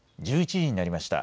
１１時になりました。